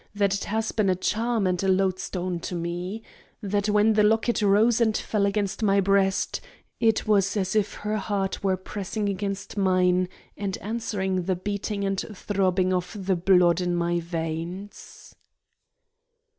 That it has been a charm and loadstone to me. That when the locket rose and fell against my breast, it was as if her heart were pressing against mine and answering the beating and throbbing of the blood in my veins.'"